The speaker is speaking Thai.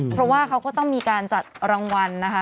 เพราะว่าเขาก็ต้องมีการจัดรางวัลนะคะ